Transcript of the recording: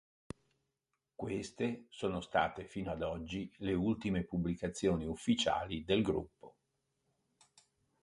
Queste sono state fino ad oggi le ultime pubblicazioni ufficiali del gruppo.